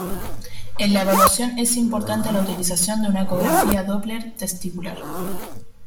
En la evaluación es importante la utilización de una ecografía-doppler testicular.